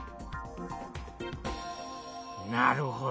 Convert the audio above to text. なるほど。